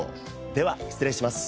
では失礼します。